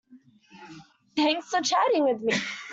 Thanks for chatting with me.